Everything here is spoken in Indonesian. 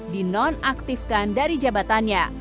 dinonaktifkan dari jabatannya